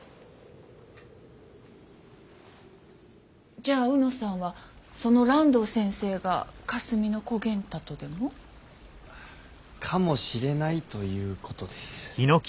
じゃあ卯之さんはその爛堂先生が霞ノ小源太とでも？かもしれないということです。